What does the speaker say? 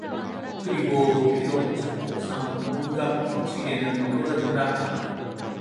그리고 비록 작곡상 온갖 법칙에는 어그러진다 하나